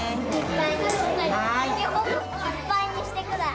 いっぱいにしてください。